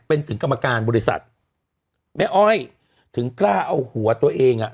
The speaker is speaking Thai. เป็นถึงกรรมการบริษัทแม่อ้อยถึงกล้าเอาหัวตัวเองอ่ะ